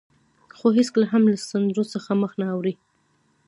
خو هېڅکله هم له سندرو څخه مخ نه اړوي.